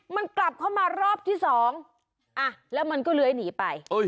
มันกลับเข้ามารอบที่สองอ่ะแล้วมันก็เลื้อยหนีไป